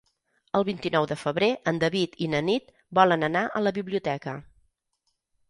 El vint-i-nou de febrer en David i na Nit volen anar a la biblioteca.